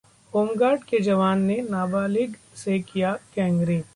home guard के जवान ने नाबालिग से किया गैंगरेप